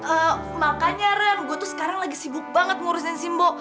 eee makanya deren gue tuh sekarang lagi sibuk banget ngurusin si mbok